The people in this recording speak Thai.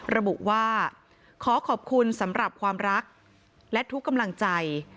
ระบุว่าขอขอบคุณสำหรับความรักและทุกกำลังใจ